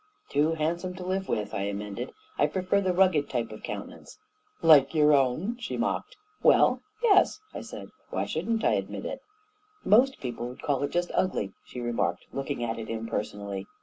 44 Too handsome to live with," I amended. " I prefer the rugged type of countenance." " Like your own I " she mocked. 44 Well, yes," I said. 44 Why shouldn't I admit it?" 44 Most people would call it just ugly," she re marked, looking at it impersonally.